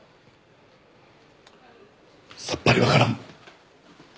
さっぱりわからん。